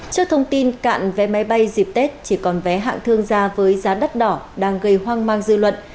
trước thông tin cạn vé máy bay dịp tết chỉ còn vé hạng thương gia với giá đắt đỏ đang gây hoang mang dư luận